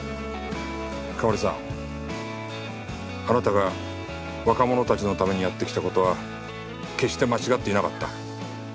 あなたが若者たちのためにやってきた事は決して間違っていなかった。